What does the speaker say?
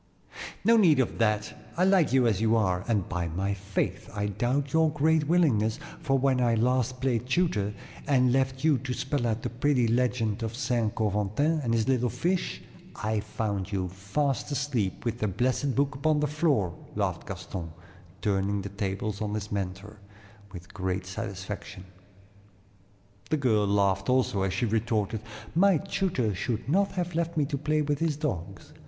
"No need of that; I like you as you are, and by my faith, I doubt your great willingness, for when I last played tutor and left you to spell out the pretty legend of St. Coventin and his little fish, I found you fast asleep with the blessed book upon the floor," laughed Gaston, turning the tables on his mentor, with great satisfaction. The girl laughed also as she retorted, "My tutor should not have left me to play with his dogs.